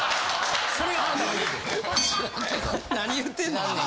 何言ってんねん。